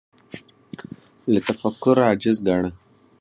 له تفکر عاجز ګاڼه